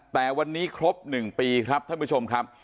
แต่วันนี้ครบ๑ปีครับท่านผู้ชมครับ